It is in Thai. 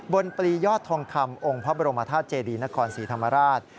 ปลียอดทองคำองค์พระบรมธาตุเจดีนครศรีธรรมราช